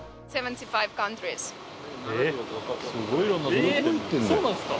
えっそうなんですか！？